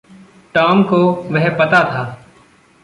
Tom को वह पता था।